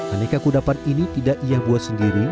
aneka kudapan ini tidak ia buat sendiri